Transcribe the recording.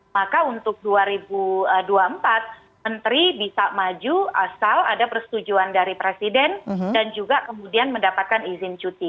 maka untuk dua ribu dua puluh empat menteri bisa maju asal ada persetujuan dari presiden dan juga kemudian mendapatkan izin cuti